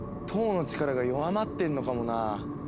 塔の力が弱まってんのかもな。